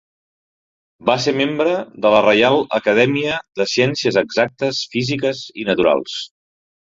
Va ser membre de la Reial Acadèmia de Ciències Exactes, Físiques i Naturals.